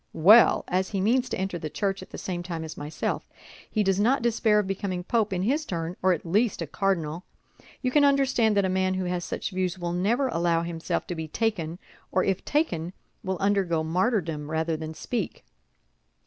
Well, as he means to enter the Church at the same time as myself, he does not despair of becoming Pope in his turn, or at least a cardinal. You can understand that a man who has such views will never allow himself to be taken, or if taken, will undergo martyrdom rather than speak."